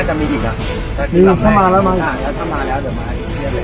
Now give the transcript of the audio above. ไม่มีการตัดแต่งสีและซูมเข้าไปให้เห็น